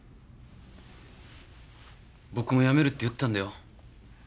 僕もやめるって言ったんだよ。